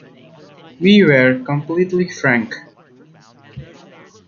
We were completely frank.